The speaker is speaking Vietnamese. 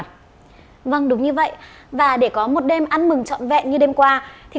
tp hcm ngày hôm nay